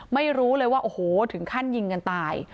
ไม่รู้เลยว่าโอ้โหถึงขั้นยิงกันตาย